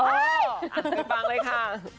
อ่ะฟังเลยค่ะ